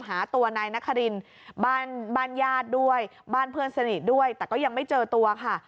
หาตัวนายนครินบ้านบ้านญาติด้วยบ้านเพื่อนสนิทด้วยแต่ก็ยังไม่เจอตัวค่ะ